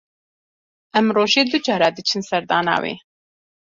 Em rojê du caran diçin serdana wê.